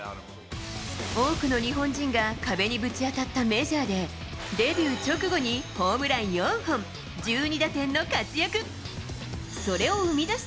多くの日本人が壁にぶち当たったメジャーで、デビュー直後にホームラン４本、１２打点の活躍。